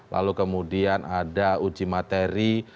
lalu kemudian ada uji materi